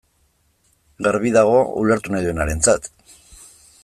Garbi dago, ulertu nahi duenarentzat.